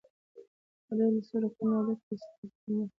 په هر ډول څو رقمي عدد د تجزیې په فورمول